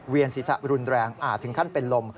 เวียนศีรษะรุนแรงอ่าถึงขั้นเป็นลม